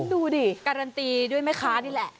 ดูดิการันตีด้วยแม่ค้านี่แหละ